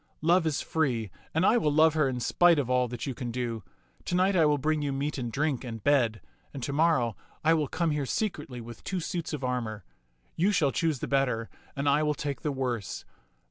" Love is free, and I will love her in spite of all that you can do. To night I will bring you meat and drink and bed, and to morrow I will come here secretly with two suits of armor. You shall choose the better and I will take the worse.